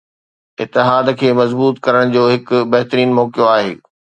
اتحاد کي مضبوط ڪرڻ جو هڪ بهترين موقعو آهي